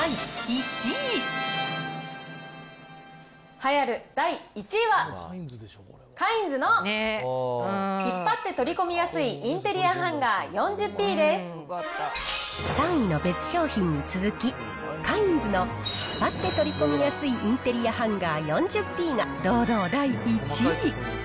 栄えある第１位は、カインズの引っ張って取り込みやすいインテリアハンガー４０Ｐで３位の別商品に続き、カインズの引っ張って取り込みやすいインテリアハンガー４０Ｐが堂々第１位。